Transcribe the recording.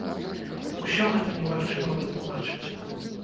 Усё гэта немагчыма вытлумачыць.